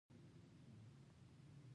دا د اعشاریې وروسته اندازه ښیي.